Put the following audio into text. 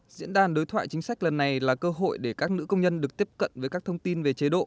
diễn đàn đối thoại chính sách lần này là cơ hội để các nữ công nhân được tiếp cận với các thông tin về chế độ